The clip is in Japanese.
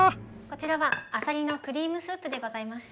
こちらはあさりのクリームスープでございます。